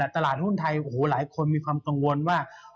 ตลาดหุ้นไทยโอ้โหหลายคนมีความกังวลว่า